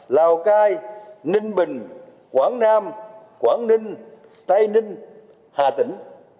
lào cai ninh bình quảng nam quảng ninh tây ninh hà tĩnh